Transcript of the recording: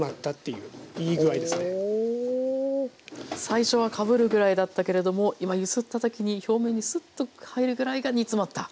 最初はかぶるぐらいだったけれども今揺すった時に表面にスッと入るぐらいが煮詰まった。